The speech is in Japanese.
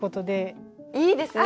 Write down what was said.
いいですね。